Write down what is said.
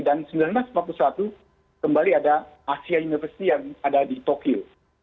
dan seribu sembilan ratus lima puluh satu kembali ada asia university yang ada di tokyo